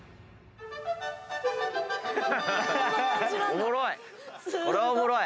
おもろい！